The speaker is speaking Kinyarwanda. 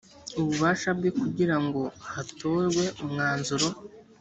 ububasha bwe kugira ngo hatorwe umwanzuro